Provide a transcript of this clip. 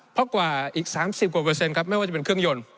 เพราะกว่าอีก๓๐กว่าเปอร์เซ็นครับไม่ว่าจะเป็นเครื่องยนต์